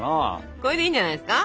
これでいいんじゃないですか。